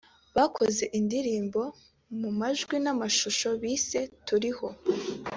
bakoze indirimbo mu majwi n’amashusho bise ‘Turiho’